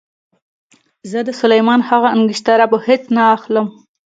زه د سلیمان هغه انګشتره په هېڅ نه اخلم.